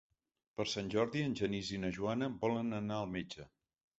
Per Sant Jordi en Genís i na Joana volen anar al metge.